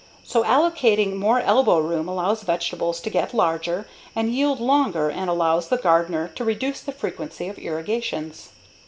So allocating more elbow room allows vegetables to get larger and yield longer and allows the gardener to reduce the frequency of irrigations.